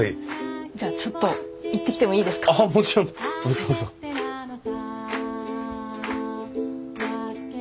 じゃあちょっと行ってきてもいいですか？ああもちろん。